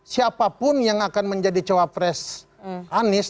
siapapun yang akan menjadi cowok pres anies